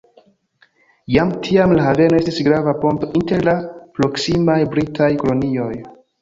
Jam tiam la haveno estis grava ponto inter la proksimaj britaj kolonioj.